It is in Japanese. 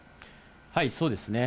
そうですね。